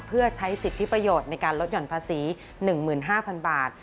เพื่อใช้สิทธิประโยชน์ในการลดหย่อนภาษี๑๕๐๐๐บาท